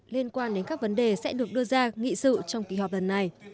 liên quan đến các vấn đề sẽ được đưa ra nghị sự trong kỳ họp lần này